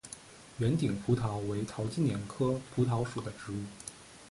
圆顶蒲桃为桃金娘科蒲桃属的植物。